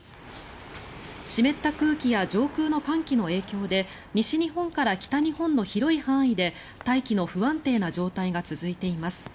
湿った空気や上空の寒気の影響で西日本から北日本の広い範囲で大気の不安定な状態が続いています。